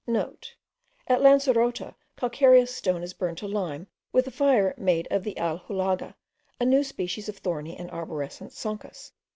*(* At Lancerota calcareous stone is burned to lime with a fire made of the alhulaga, a new species of thorny and arborescent Sonchus.)